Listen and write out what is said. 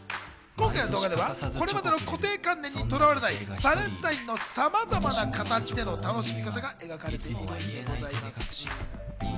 今回の動画ではこれまでの固定観念にとらわれない、バレンタインのさまざまな形での楽しみ方が描かれています。